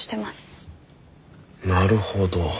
なるほど。